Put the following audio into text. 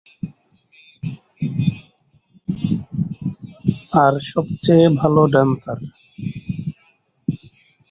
আর সবচেয়ে ভালো ড্যান্সার।